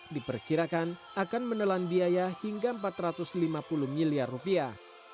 diperkirakan akan menelan biaya hingga empat ratus lima puluh miliar rupiah